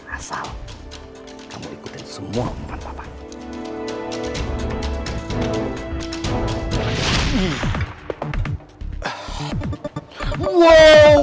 asal kamu ikutin semua umpan papa